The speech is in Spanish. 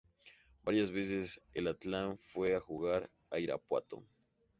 Varias veces el Atlante fue a jugar a Irapuato.